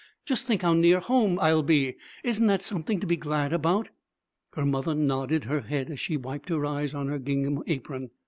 Just think how near home I'll be! Isn't that something to be glad about?' Her mother nodded her head as she wiped her eyes on her gingham apron.